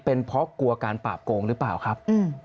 เป็นเพราะกลัวการปราบโกงหรือเปล่าครับ